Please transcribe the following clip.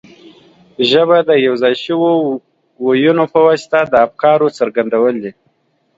ژبه د یو ځای شویو وییونو په واسطه د افکارو څرګندول دي.